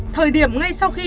thời điểm ngay sau khi